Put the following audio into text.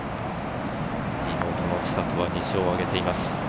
妹の千怜は２勝を挙げています。